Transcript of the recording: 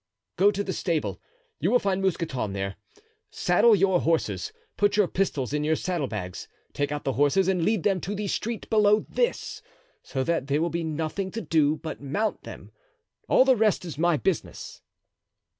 "Go to the stable; you will find Mousqueton there; saddle your horses, put your pistols in your saddle bags, take out the horses and lead them to the street below this, so that there will be nothing to do but mount them; all the rest is my business."